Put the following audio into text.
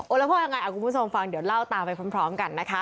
แล้วพ่อยังไงคุณผู้ชมฟังเดี๋ยวเล่าตามไปพร้อมกันนะคะ